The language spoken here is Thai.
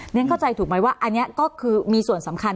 ฉันเข้าใจถูกไหมว่าอันนี้ก็คือมีส่วนสำคัญ